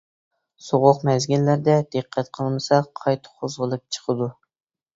سوغۇق مەزگىللەردە دىققەت قىلمىسا قايتا قوزغىلىپ چىقىدۇ.